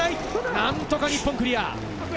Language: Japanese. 何とか日本クリア。